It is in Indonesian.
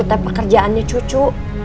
itu tak pekerjaannya cucu